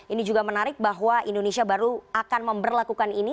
ini juga menarik bahwa indonesia baru akan memperlakukan ini